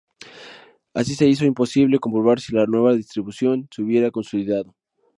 Así se hizo imposible comprobar si la nueva redistribución se hubiese consolidado.